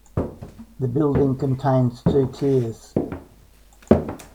The building contains two tiers.